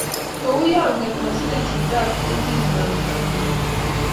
Kouyo angen, maser chiti nebo kutit nyo kitabut noto